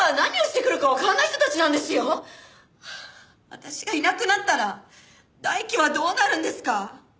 私がいなくなったら大樹はどうなるんですか！？